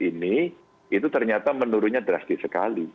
ini itu ternyata menurunnya drastis sekali